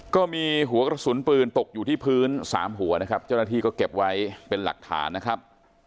ก็มีหัวกระสุนปืนตกอยู่ที่พื้นสามหัวนะครับเจ้าหน้าที่ก็เก็บไว้เป็นหลักฐานนะครับ